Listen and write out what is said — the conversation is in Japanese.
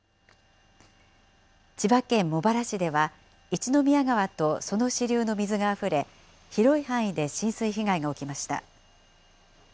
千葉県茂原市では、一宮川とその支流の水があふれ、広い範囲で浸水被害が起きました。